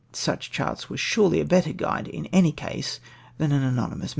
Such chai'ts were surely a better guide in any case than an anonymous MSS.